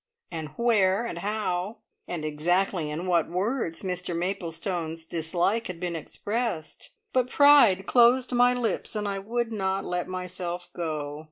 and "Where?" and "How?" and exactly in what words Mr Maplestone's dislike had been expressed, but pride closed my lips, and I would not let myself go.